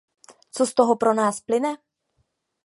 Co z toho pro nás plyne?